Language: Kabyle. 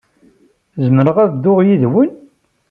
Zemreɣ ad dduɣ yid-wen?